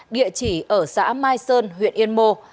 địa chỉ ở xã mai sơn huyện yên mô